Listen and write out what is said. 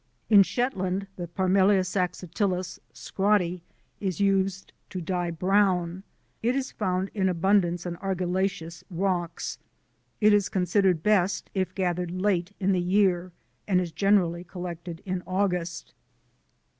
In Shetland, the Parmelia saxatilis (Scrottyie) is used to dye brown. It is found in abundance on argillaceous rocks. It is considered best if gathered late in the year, and is generally collected in August.